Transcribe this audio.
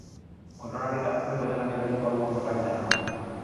ঘটনাটি তাৎক্ষণিক উপজেলা নির্বাহী কর্মকর্তাকে জানানো হয়।